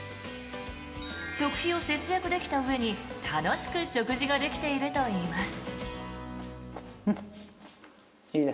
食費を節約できたうえに楽しく食事ができているといいます。